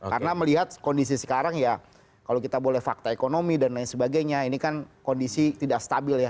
karena melihat kondisi sekarang ya kalau kita boleh fakta ekonomi dan lain sebagainya ini kan kondisi tidak stabil ya